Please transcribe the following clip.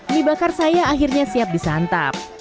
mie bakar saya akhirnya siap disantap